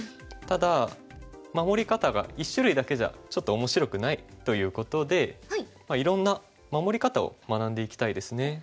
ただ守り方が１種類だけじゃちょっと面白くないということでいろんな守り方を学んでいきたいですね。